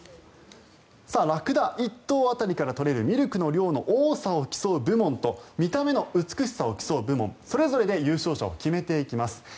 ラクダ１頭当たりから取れるミルクの量の多さを競う部門と見た目の美しさを競う部門それぞれで優勝者を決めていきます。